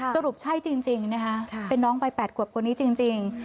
สรุปใช่จริงเป็นน้องใบ๘กว่านี้จริง